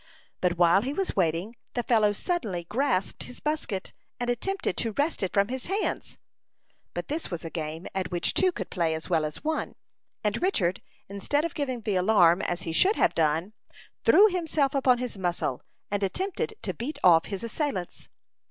But while he was waiting, the fellow suddenly grasped his musket, and attempted to wrest it from his hands. But this was a game at which two could play as well as one; and Richard, instead of giving the alarm, as he should have done, threw himself upon his muscle, and attempted to beat off his assailants.